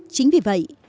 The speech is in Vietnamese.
chính vì vậy